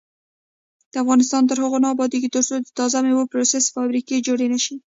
افغانستان تر هغو نه ابادیږي، ترڅو د تازه میوو پروسس فابریکې جوړې نشي.